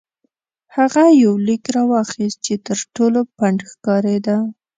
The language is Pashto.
هغه یو لیک راواخیست چې تر ټولو پڼد ښکارېده.